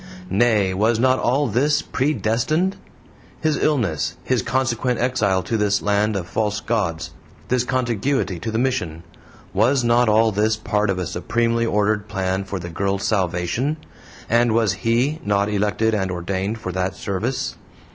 Nay, was not all this PREDESTINED? His illness, his consequent exile to this land of false gods this contiguity to the Mission was not all this part of a supremely ordered plan for the girl's salvation and was HE not elected and ordained for that service?